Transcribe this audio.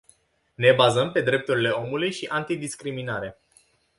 Ne bazăm pe drepturile omului și antidiscriminare.